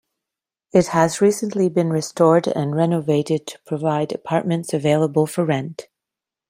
It has recently been restored and renovated to provide apartments available for rent.